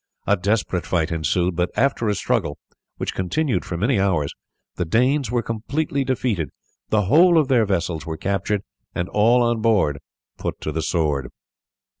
A desperate fight ensued, but after a struggle, which continued for many hours, the Danes were completely defeated, the whole of their vessels were captured, and all on board put to the sword.